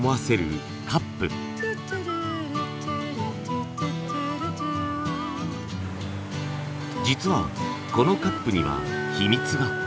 実はこのカップには秘密が。